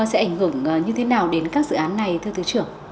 sẽ ảnh hưởng như thế nào đến các dự án này thưa thứ trưởng